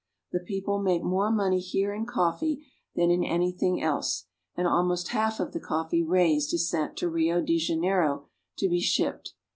The people make more money here in coffee than in anything else, and almost half of the coffee raised is sent to Rio de Janeiro to be shipped.